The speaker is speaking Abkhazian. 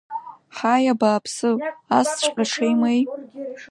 Ҳаи, абааԥсы, асҵәҟьа ҽеимеи?!